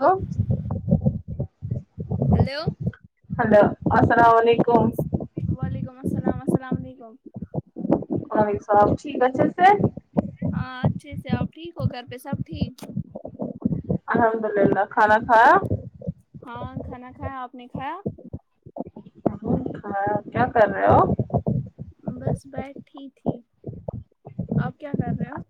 ہاں hello hello السلام و علیکم وعلیکم السلام السلام علیکم وعلیکم السلام ٹھیک اچھے سے ہاں اچھے سے آپ ٹھیک ہو گھر پہ سب ٹھیک الحمدو لیلۃ کھانا کھایا ہاں کھانا کھایا آپ نے کھایا کھایا کیا کر رہے ہو آپ بس بیٹھی تھی آپ کیا کر رہے ہو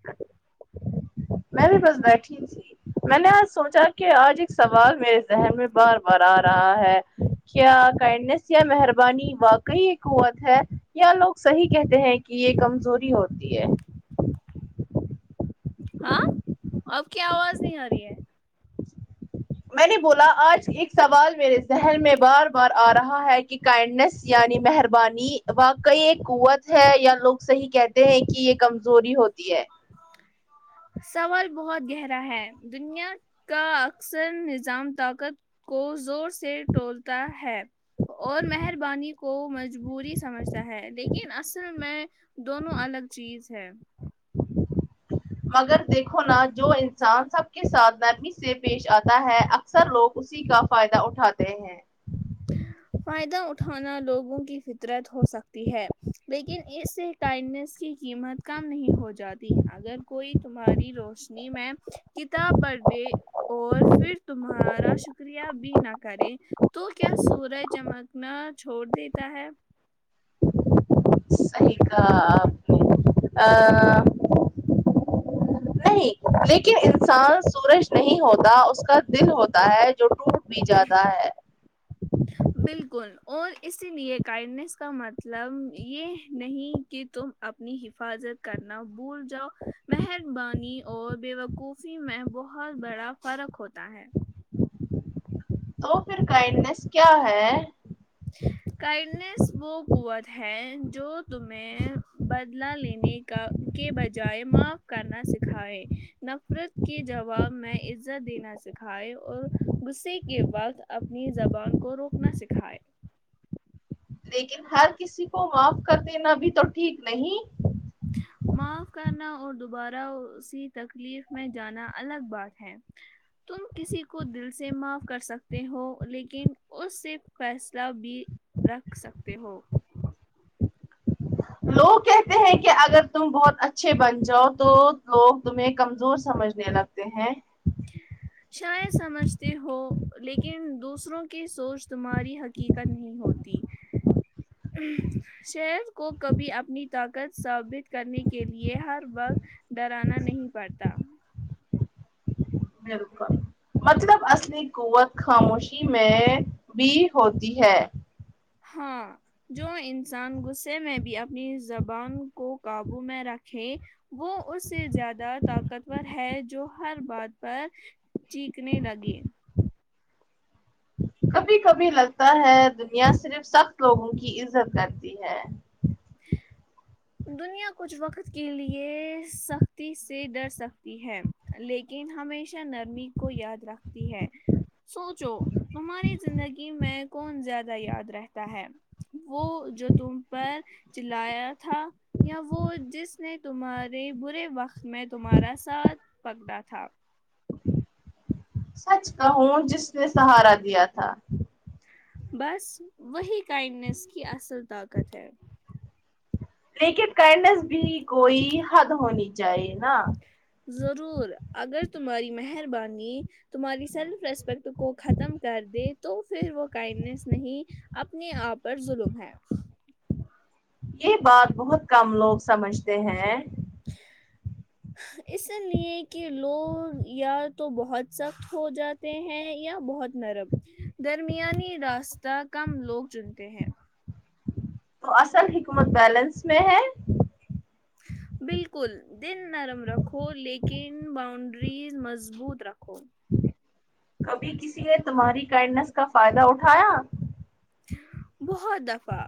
میں بھی بس بیٹھی تھی میں نے آج سوچا کہ آج ایک سوال میرے ذہن میں بار بار آ رہا ہے کیا کانڈنیس یا مہربانی واقعی ایک قوت ہے یا لوگ صحیح کہتے ہیں کہ یہ کمزوری ہوتی ہے ہاں آپ کی آواز نہیں آ رہی ہے میں نے بولا آج ایک سوال میرے ذہن میں بار بار آ رہا ہے کہ کائنڈنس یعنی مہربانی واقعی ایک قوت ہے یا لوگ صحیح کہتے ہیں کہ یہ کمزوری ہوتی ہے سوال بہت گہرا ہے دنیا کا اکثر نظام طاقت کو زور سے ٹولتا ہے اور مہربانی کو مجبوری سمجھتا ہے لیکن اصل میں دونوں الگ چیز ہے مگر دیکھو نا جو انسان سب کے ساتھ نرمی سے پیش آتا ہے اکثر لوگ اسی سی کا فائدہ اٹھاتے ہیں فائدہ اٹھانا لوگوں کی فطرت ہو سکتی ہے لیکن اس سے کائنڈنیس کی قیمت کم نہیں ہو جاتی اگر کوئی تمہاری روشنی میں کتاب پڑھ دے اور پھر تمہارا شکریہ بھی نہ کرے تو کیا سورج چمکنا چھوڑ دیتا ہے ٹھیک آپ آ نہیں لیکن انسان سورج نہیں ہوتا اس کا دل ہوتا ہے جو ٹوٹ بھی جیادا ہے بالکل اور اسی لیے کائنڈنیس کا مطلب یہ نہیں کہ تم اپنی حفاظت کرنا بھول جاؤ مہربانی اور بیوقوفی میں بہت بڑا فرق ہوتا ہے تو پھر کائنڈنیس کیا ہے کائنڈنیس وہ قوت ہے جو تمہیں بدلا لینے کا کے بجائے معاف کرنا سکھائے نفرت کے جواب میں عزت دینا سکھائے اور غصے کے وقت اپنی زبان کو روکنا سکھائے لیکن ہر کسی کو معاف کر دینا بھی تو ٹھیک نہیں [inaudible] معاف کرنا اور دوبارہ اسی تکلیف میں جانا الگ بات ہے تم کسی کو دل سے معاف کر سکتے ہو لیکن اس سے فاصلہ بھی رکھ سکتے ہو ہلو وہ کہتے ہیں کہ اگر تم بہت اچھے بن جاؤ تو لوگ تمہیں کمزور سمجھنے لگ تے ہیں شاید سمجھتے ہو لیکن دوسروں کی سوچ تمہاری حقیقت نہیں ہوتی [inaudible] شیر کو کبھی اپنی طاقت ثابت کرنے کے لیے ہر وقت ڈرانا نہیں پڑتا نہیں روکا مطلب اصلی قوت خاموشی میں بھی ہوتی ہے ہاں جو انسان غصے میں بھی اپنی زبان کو قابو میں رکھے وہ اس سے زیادہ طاقتور ہے جو ہر بات پر چیکنے لگے کبھی کبھی لگتا ہے دنیا صرف سخت لوگوں کی عزت کرتی ہے ہ دنیا کچھ وقت کے لیے سختی سے ڈر سکتی ہے لیکن ہمیشہ نرمی کو یاد رکھتی ہے سونچو تمہاری زندگی میں کون زیادہ یاد رہتا ہے وہ جو تم پر چلایا تھا یا وہ جس نے تمہارے برے وقت میں تمہارا ساتھ پکڑا تھا سچ کہوں جس نے سہارا دیا تھا بس وہی کائنڈنیس کی اصل طاقت ہے لیکن کائنڈنیس بھی کوئی حد ہونی چاہیے نا ضرور اگر تمہاری مہربانی تمہاری سیلف ریسپیکٹ کو ختم کر دے تو پھر وہ کائنڈنیس نہیں اپنے آپ پر ظلم ہے یہ بات بہت کم لوگ سمجھتے ہیں اس لیے کہ لوگ یا تو بہت سخت ہو جاتے ہیں یا بہت نرم درمیانی راستہ کم لوگ چنتے ہیں تو اصل حکمت بیلنس میں ہے بالکل دل نرم رکھو لیکن باؤنڈریز مضبوط رکھو کبھی کسی نے تمہاری کائنڈنیس کا فائدہ اٹھایا بہت دفا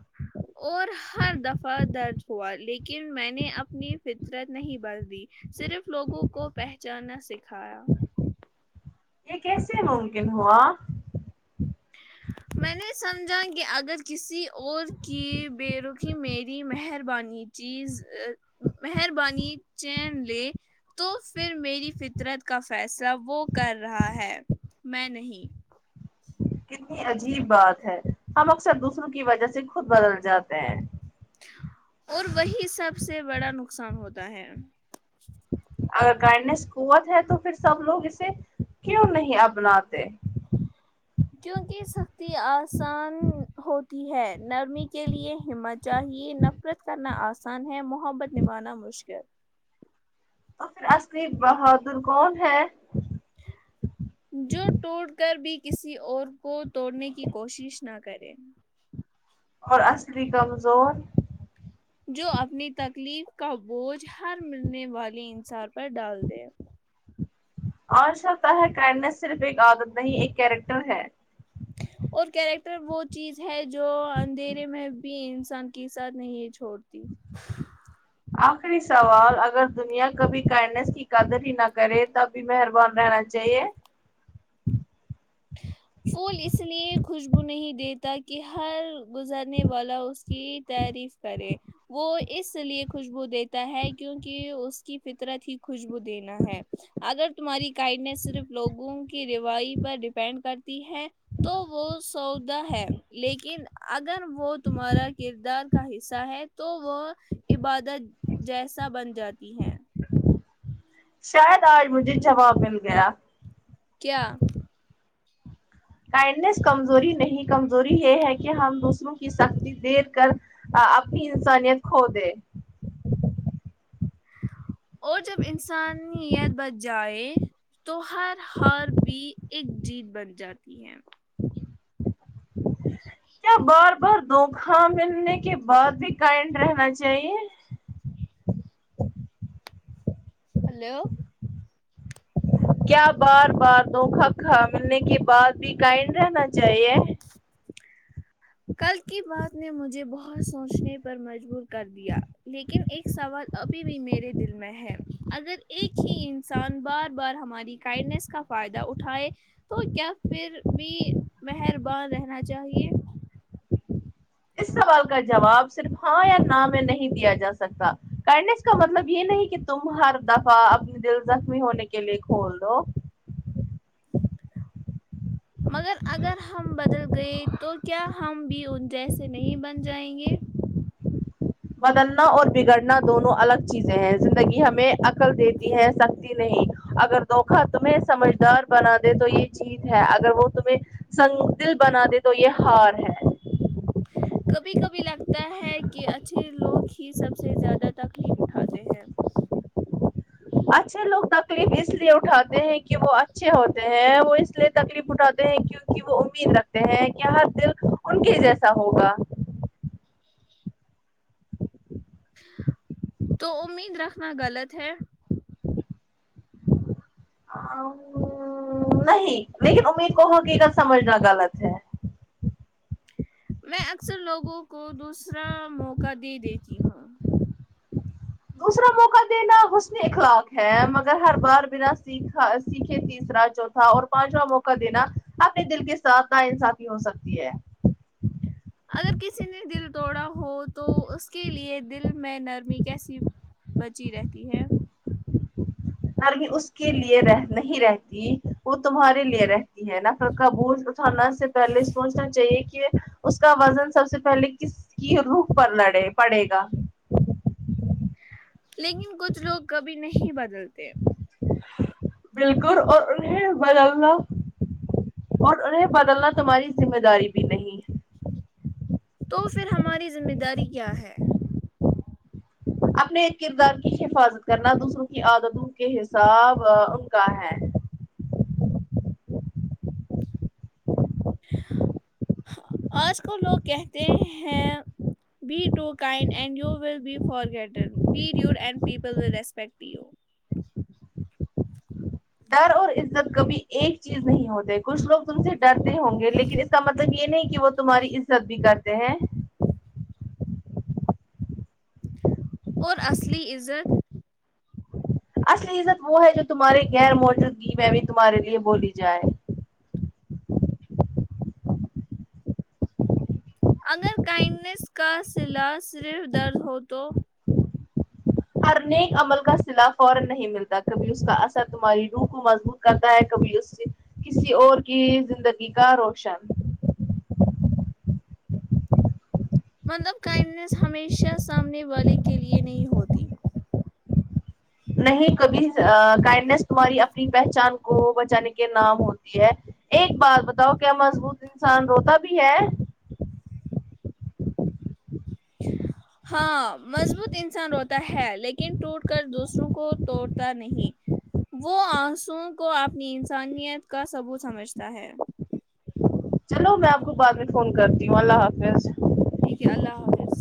اور ہر دفعہ درد ہوا لیکن میں نے اپنی فطرت نہیں بدلی صرف لوگوں کو پہچانا سکھایا یہ کیسے ممکن ہوا میں نے سمجھا کہ اگر کسی اور کی بے رخی میری مہربانی چیز ا مہربانی چین لے تو پھر میری فطرت کا فیصلہ وہ کر رہا ہے میں نہیں کتنی عجیب بات ہے ہم اکثر دوسروں کی وجہ سے خود بدل جاتے ہیں اور وہی سب سے بڑا نقصان ہوتا ہے اگر کانڈنیس قوت ہے تو پھر سب لوگ اسے کیوں نہیں اپناتے کیونکہ سختی آسان ہوتی ہے نرمی کے لیے ہمت چاہیے نفرت کرنا آسان ہے محبت نبھانا مشکل تو پھر اصلی بہادر کون ہے جو ٹوٹ کر بھی کسی اور کو توڑنے کی کوشش نہ کرے اور اصلی کمزور جو اپنی تکلیف کا بوجھ ہر ملنے والی انسار پر ڈال دے اور سکتا ہے کائنڈنس صرف ایک عادت نہیں ایک کیریکٹر ہے اور کیریکٹر وہ چیز ہے جو اندھیرے میں بھی انسان کے ساتھ نہیں چھوڑتی آخری سوال اگر دنیا کبھی کائنڈنس کی قدر ہی نہ کرے تب بھی مہربان رہنا چاہیے پھول اس لیے خوشبو نہیں دیتا کہ ہر گزرنے والا اس کی تعریف کرے وہ اس لیے خوشبو دیتا ہے کیونکہ اس کی فطرت ہی خوشبو دینا ہے اگر تمہاری کائنڈنیس صرف لوگوں کی روائی پر ڈیپینڈ کرتی ہے تو وہ سودا ہے لیکن اگر وہ تمہارا کردار کا حصہ ہے تو وہ عبادت جیسا بن جاتی ہے شاید آج مجھے جواب مل گیا کیا کائڈنیس کمزوری نہیں کمزوری یہ ہے کہ ہم دوسروں کی سختی دیکھ کر آ اپنی انسانیت کھو دے اور جب انسانیت بچ جائے تو ہر ہار بھی ایک جیت بن جاتی ہے کیا بار بار دھوکہ ملنے کے بعد بھی کائنڈ رہنا چاہیے ہیلو کیا بار بار دھوکہ کھانے کے بعد بھی کائنڈ رہنا چاہیے کل کی بات نے مجھے بہت سوچنے پر مجبور کر دیا لیکن ایک سوال ابھی بھی میرے دل میں ہے اگر ایک ہی انسان بار بار ہماری کائنڈنیس کا فائدہ اٹھائے تو کیا پھر بھی مہربان رہنا چاہیے اس سوال کا جواب صرف ہاں یا نہ میں نہیں دیا جا سکتا کائنڈنس کا مطلب یہ نہیں کہ تم ہر دفعہ اپنی دل زخمی ہونے کے لیے کھول دو مگر اگر ہم بدل گئے تو کیا ہم بھی ان جیسے نہیں بن جائیں گے بدلنا اور بگڑنا دونوں الگ چیزیں ہیں زندگی ہمیں عقل دیتی ہے سک جی نہیں اگر دھوکھا تمہیں سمجھدار بنا دے تو یہ چیز ہے اگر وہ تمہیں سنگ دل بنا دے تو یہ ہار ہے کبھی کبھی لگتا ہے کہ اچھے لوگ ہی سب سے زیادہ تکلیف اٹھاتے ہیں اچھے لوگ تکلیف اس لیے اٹھاتے ہیں کہ وہ اچھے ہوتے ہیں وہ اس لیے تکلیف اٹھاتے ہیں کیون کہ وہ امید رکھتے ہیں کہ ہر دل ان کے جیسا ہوگا تو امید رکھنا غلط ہے ام نہیں لیکن امید کہو کہ کا سمجھنا غلط ہے میں اکثر لوگوں کو دوسرا موقع دے دیتی ہوں دوسرا موقع دینا حسن اخلاق ہے مگر ہر بار بنا سیکھا سیکھے تیسرا جو اور پانچواں موقع دینا اپنے دل کے ساتھ ناانصافی ہو سکتی ہے اگر کسی نے دل توڑا ہو تو اس کے لیے دل میں نرمی کیسی بچی رہتی ہے نرمی اس کے لیے رہ نہیں رہ وہ تمہارے لیے رہتی ہے نفرت کا بوجھ اٹھانا سے پہلے سوچنا چاہیے کہ اس کا وزن سب سے پہلے کس کی روخ پر لڑے پڑے گا لیکن کچھ لوگ کبھی نہیں بدلتے بالکل اور انہیں بدلنا اور انہیں بدلنا تمہاری ذمہ داری بھی نہیں تو پھر ہماری ذمہ داری کیا ہے اپنے ایک کردار کی حفاظت کرنا دوسروں کی عادتوں کے حساب ان کا ہے ہاں آج کل لوگ کہتے ہیں be too kind and you will be فارگیٹڈ be rude and people will respect you ڈر اور عزت کبھی ایک چیز نہیں ہوتے کچھ لوگ تم سے ڈرتے ہوں گے لیکن اس کا مطلب یہ نہیں کہ وہ تمہاری عزت بھی کرتے ہیں اور اصلی عزت اصلی عزت وہ ہے جو تمہارے غیر موجودگی میں بھی تمہارے لیے بولی جائے اگر کائنڈنیس کا صلاح صرف ڈر ہو تو ہر نیک عمل کا صلاح فورا نہیں ملتا کبھی اس کا اثر تمہاری روح کو مضبوط کرتا ہے کبھی اس کسی اور کی زندگی کا روشن مطلب کائنڈنیس ہمیشہ سامنے والے کے لیے نہیں ہوتی نہیں کبھی کائنڈنیس تمہاری اپنی پہچان کو بچانے کے نام ہوتی ہے ایک بات بتاؤ کیا مضبوط انسان روتا بھی ہے ہاں مضبوط انسان روتا ہے لیکن ٹوٹ کر دوسروں کو توڑتا نہیں وہ آنسوں کو اپنی انسانیت کا ثبوت سمجھتا ہے چلو میں آپ کو بعد میں فون کرتی ہوں اللہ حافظ ٹھیک ہے اللہ حافظ